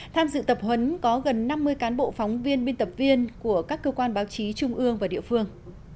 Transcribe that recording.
tham dự tập huấn có gần năm mươi cán bộ phóng viên biên tập viên của các cơ quan báo chí trung ương và địa phương